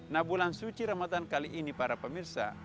nah bulan suci ramadan kali ini para pemirsa